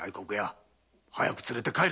早く連れて帰れ。